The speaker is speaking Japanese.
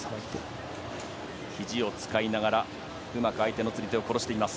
ひじを使いながらうまく相手の釣り手を殺しています。